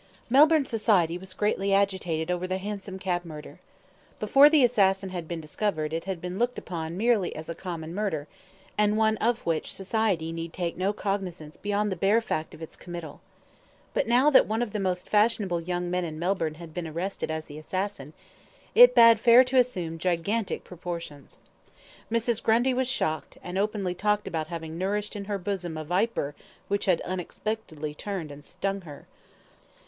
Melbourne society was greatly agitated over the hansom cab murder. Before the assassin had been discovered it had been looked upon merely as a common murder, and one of which society need take no cognisance beyond the bare fact of its committal. But now that one of the most fashionable young men in Melbourne had been arrested as the assassin, it bade fair to assume gigantic proportions. Mrs. Grundy was shocked, and openly talked about having nourished in her bosom a viper which had unexpectedly turned and stung her.